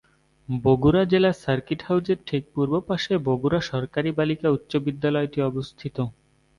বগুড়া জেলা সার্কিট হাউজের ঠিক পূর্ব পাশে বগুড়া সরকারী বালিকা উচ্চ বিদ্যালয়টি অবস্থিত।